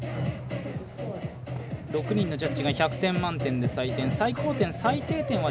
６人のジャッジが１００点満点で採点。